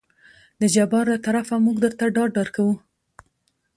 د جبار له طرفه موږ درته ډاډ درکو.